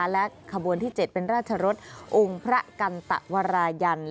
และขบวนที่เจ็ดเป็นราชรสองค์พระกันตวรรยันทร์